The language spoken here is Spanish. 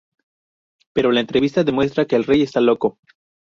Pero la entrevista demuestra que el rey está loco.